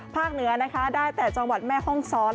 ภาคเหนือนะคะได้แต่จังหวัดแม่ฮ่องศร